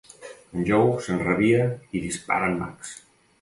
En Joe s'enrabia i dispara en Max.